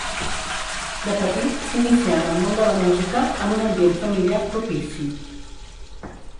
De petit s’inicià en el món de la música, en un ambient familiar propici.